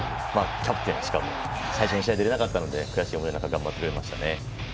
キャプテンは、しかも最初の試合出れなかったので悔しい思いの中頑張ってくれましたね。